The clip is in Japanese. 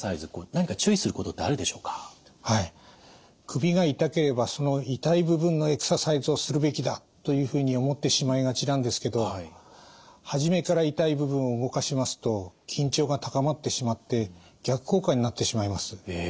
首が痛ければその痛い部分のエクササイズをするべきだというふうに思ってしまいがちなんですけど初めから痛い部分を動かしますと緊張が高まってしまって逆効果になってしまいます。